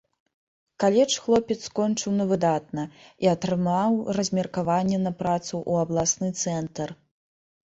Каледж хлопец скончыў на выдатна, і атрымаў размеркаванне на працу ў абласны цэнтр.